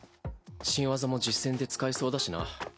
新技も実戦で使えそうだしな。